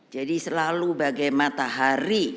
jadi selalu bagai matahari